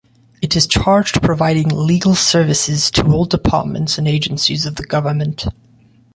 It is charged providing legal services to all departments and agencies of the government.